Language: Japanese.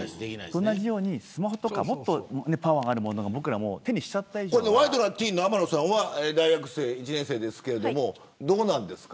同じようにもっとパワーのあるものをワイドナティーンの天野さんは大学１年生ですけどどうですか。